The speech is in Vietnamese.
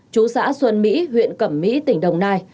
chú xã xuân mỹ huyện cẩm mỹ tỉnh đồng nai